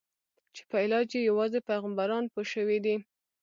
چې په علاج یې یوازې پیغمبران پوه شوي دي.